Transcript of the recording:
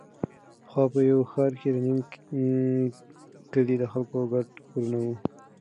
پخوا په یوه ښاره کې د نیم کلي د خلکو ګډ کورونه وو.